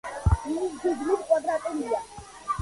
იგი გეგმით კვადრატულია.